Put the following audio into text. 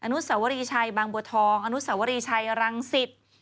นุสวรีชัยบางบัวทองอนุสวรีชัยรังสิต